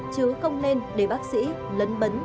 chứ không nên để bác sĩ lấn bấn